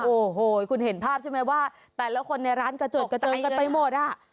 โอ้โหคุณเห็นภาพใช่ไหมว่าแต่ละคนในร้านกระเจิดกระเจิงกันไปหมดอ่ะ